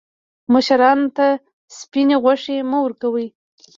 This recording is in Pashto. مشرانو ته سپیني غوښي مه ورکوئ.